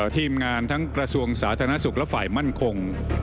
ทีมงานทั้งกระทรวงสาธารณสุขและฝ่ายมั่นคง